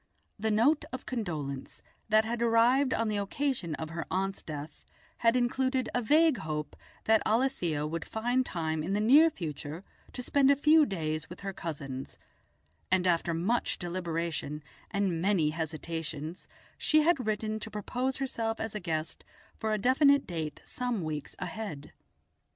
The note of condolence that had arrived on the occasion of her aunt's death had included a vague hope that Alethia would find time in the near future to spend a few days with her cousins, and after much deliberation and many hesitations she had written to propose herself as a guest for a definite date some weeks ahead.